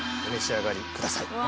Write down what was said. お召し上がりください。